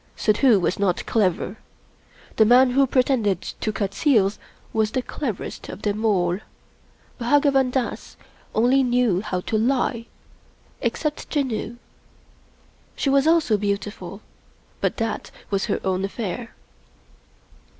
Suddhoo was not clever. The man who pretended to cut seals was the cleverest of them all — Bhagwan Dass only knew how to lie — except Janoo. She was also beau tiful, but that was her own affair.